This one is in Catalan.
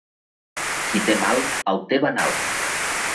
Qui té mal, el té venal.